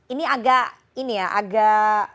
ini agak ini ya agak